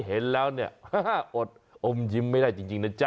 เห็นแล้วเนี่ยอดอมยิ้มไม่ได้จริงนะจ๊